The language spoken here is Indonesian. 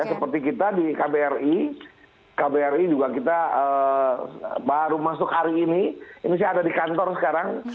seperti kita di kbri kbri juga kita baru masuk hari ini ini saya ada di kantor sekarang